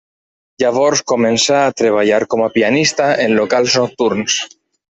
Llavors començà a treballar com a pianista en locals nocturns.